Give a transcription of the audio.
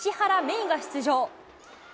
依が出場。